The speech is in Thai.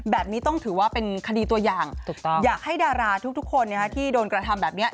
แบบนี้ต้องถือว่าเป็นคดีตัวอย่างอยากให้ดาราทุกคนที่โดนกระทำแบบนี้